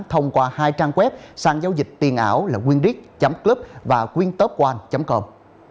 thông qua hai trang web sang giao dịch tiền ảo là winric club và wintop một com